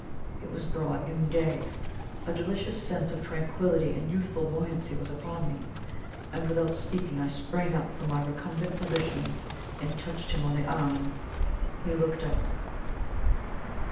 It was broad noonday. A delicious sense of tranquillity and youthful buoyancy was upon me, and without speaking I sprang up from my recumbent position and touched him on the arm. He looked up.